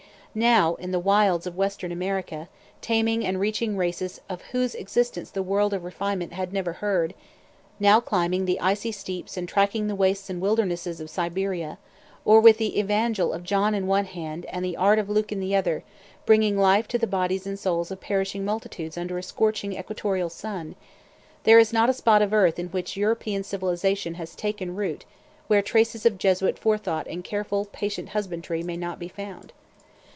Now, in the wilds of Western America, taming and teaching races of whose existence the world of refinement had never heard; now climbing the icy steeps and tracking the wastes and wildernesses of Siberia, or with the evangel of John in one hand and the art of Luke in the other, bringing life to the bodies and souls of perishing multitudes under a scorching equatorial sun, there is not a spot of earth in which European civilization has taken root where traces of Jesuit forethought and careful, patient husbandry may not be found.